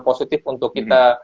positif untuk kita